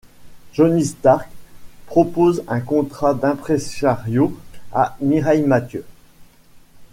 Johnny Stark propose un contrat d'imprésario à Mireille Mathieu.